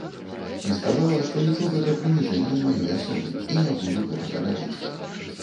І сказала, што лічу гэта прыніжэннем маёй асобы і не буду гэтага рабіць.